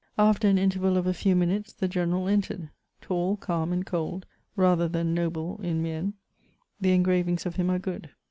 After an interval of a few minutes, the geilenJ entered ; tall, calm, and cold, rather than noble in mien ; the engravings of him are good.